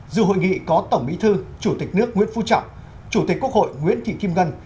dự hội nghị có tổng bí thư chủ tịch nước nguyễn phú trọng chủ tịch quốc hội nguyễn thị kim ngân